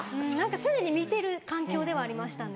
常に見てる環境ではありましたね。